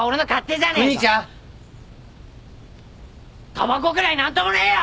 たばこぐらい何ともねえよ！